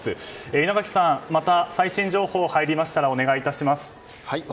稲垣さん、また最新情報が入りましたらお願いいたします。